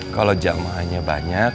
kalau jam'ahnya banyak